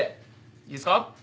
いいですか？